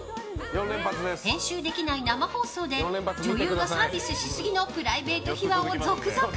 編集できない生放送で女優がサービスしすぎのプライベート秘話を続々。